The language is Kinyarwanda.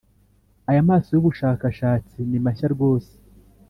Aya maso y’ubushakashatsi ni mashya rwose